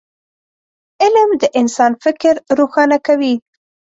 علم د انسان فکر روښانه کوي